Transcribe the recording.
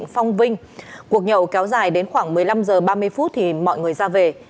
phong vinh cuộc nhậu kéo dài đến khoảng một mươi năm h ba mươi thì mọi người ra về